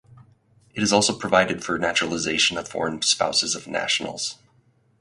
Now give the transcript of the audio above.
It also provided for naturalization of foreign spouses of nationals.